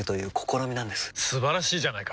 素晴らしいじゃないか！